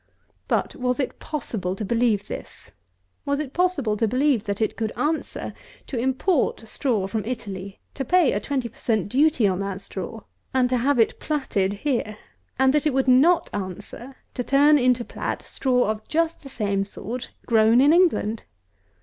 But, was it possible to believe this? Was it possible to believe that it could answer to import straw from Italy, to pay a twenty per cent. duty on that straw, and to have it platted here; and that it would not answer to turn into plat straw of just the same sort grown in England?